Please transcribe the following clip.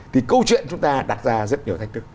thì câu chuyện chúng ta đặt ra rất nhiều thách thức